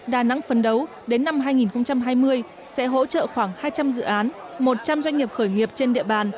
đà nẵng phấn đấu đến năm hai nghìn hai mươi sẽ hỗ trợ khoảng hai trăm linh dự án một trăm linh doanh nghiệp khởi nghiệp trên địa bàn